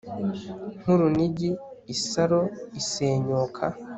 nkurunigi isaro isenyuka